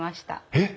えっ！